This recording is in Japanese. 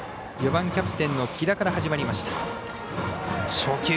４番キャプテンの来田から始まりました。